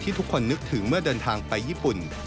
ทุกคนนึกถึงเมื่อเดินทางไปญี่ปุ่น